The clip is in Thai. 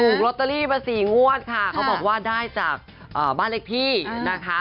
ลอตเตอรี่มาสี่งวดค่ะเขาบอกว่าได้จากบ้านเลขที่นะคะ